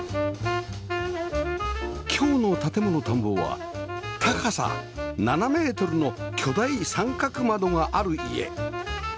今日の『建もの探訪』は高さ７メートルの巨大三角窓がある家